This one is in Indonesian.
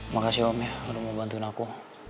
makasih om ya udah mau bantuin aku